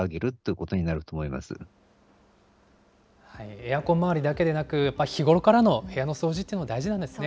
エアコン周りだけでなく、やっぱり日頃からの部屋の掃除というのも大事なんですね。